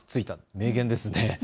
名言ですね。